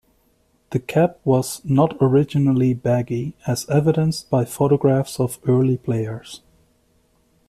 The cap was not originally baggy as evidenced by photographs of early players.